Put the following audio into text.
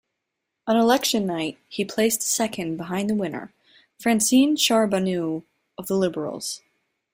On election night, he placed second behind the winner, Francine Charbonneau of the Liberals.